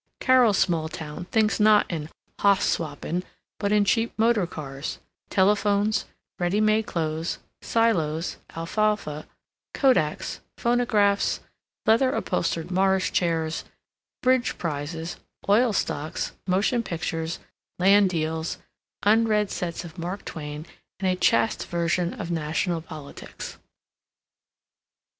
Carol's small town thinks not in hoss swapping but in cheap motor cars, telephones, ready made clothes, silos, alfalfa, kodaks, phonographs, leather upholstered Morris chairs, bridge prizes, oil stocks, motion pictures, land deals, unread sets of Mark Twain, and a chaste version of national politics.